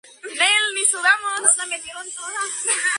Logrando un subcampeonato provincial.